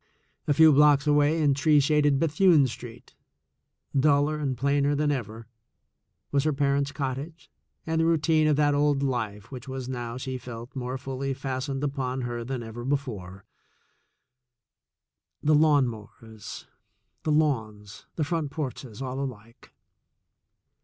A few blocks away in tree shaded Bethune Street, duller and plainer than ever, was her parents' cottage and the routine of that old life which was now, she felt, more fully fastened upon her than ever before — the lawn mowers, the lawns, the front porches all alike.